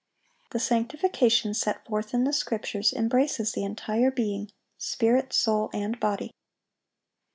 The sanctification set forth in the Scriptures embraces the entire being,—spirit, soul, and body.